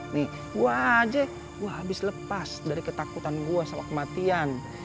nih wah jack gue habis lepas dari ketakutan gue sama kematian